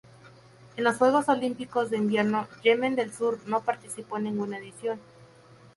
En los Juegos Olímpicos de Invierno Yemen del Sur no participó en ninguna edición.